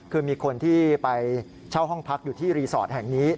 คือมีคนที่ไปเช่าห้องพักอยู่ที่รีสอร์ทแห่งนี้